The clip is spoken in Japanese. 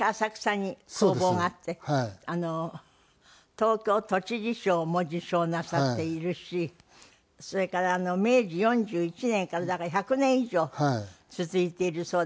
東京都知事賞も受賞なさっているしそれから明治４１年からだから１００年以上続いているそうでございます。